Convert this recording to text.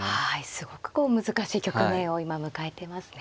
すごくこう難しい局面を今迎えていますね。